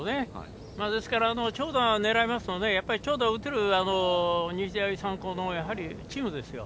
ですから長打を狙いますと長打を打てる日大三高のチームですよ。